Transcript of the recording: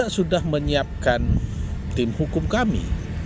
kita sudah menyiapkan tim hukum kami